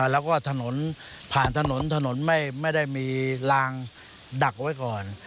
แล้วก็ถนนผ่านถนนถนนไม่ได้มีลางดักเอาไว้ก่อน